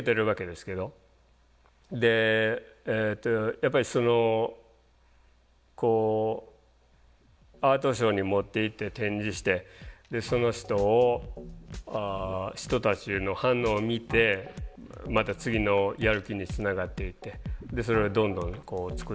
でやっぱりそのこうアートショーに持っていって展示してその人たちの反応を見てまた次のやる気につながっていってそれをどんどん作っていくと。